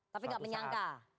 tapi tidak menyangka